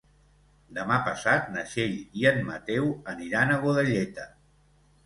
Demà passat na Txell i en Mateu aniran a Godelleta.